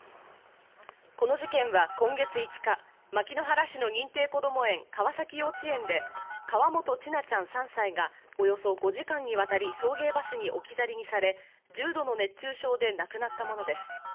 この事件は今月５日、牧之原市の認定こども園・川崎幼稚園で、河本千奈ちゃん、３歳がおよそ５時間にわたり送迎バスに置き去りにされ、重度の熱中症で亡くなったものです。